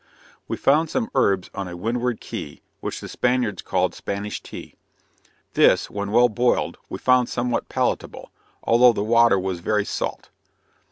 We found some herbs on a windward Key, which the Spaniards called Spanish tea. This when well boiled we found somewhat palatable, although the water was very salt.